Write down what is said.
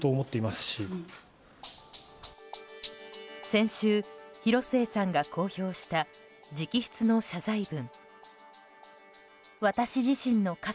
先週、広末さんが公表した直筆の謝罪文。